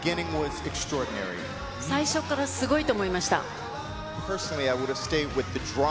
最初からすごいと思いました。